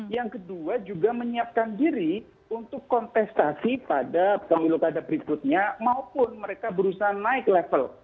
yang kedua juga menyiapkan diri untuk kontestasi pada pemilu kada berikutnya maupun mereka berusaha naik level